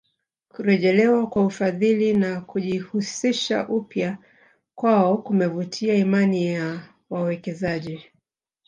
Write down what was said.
Kurejelewa kwa ufadhili na kujihusisha upya kwao kumevutia imani ya wawekezaji